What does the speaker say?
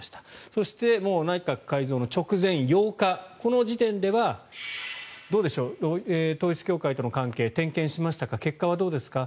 そして、もう内閣改造の直前８日この時点では、どうでしょう統一教会との関係点検しましたか結果はどうですか？